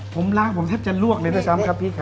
ผมล้างผมแทบจะลวกเลยด้วยซ้ำครับพี่ครับ